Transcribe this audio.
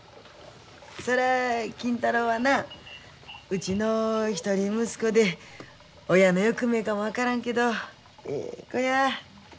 そら金太郎はなうちの一人息子で親の欲目かも分からんけどええ子や。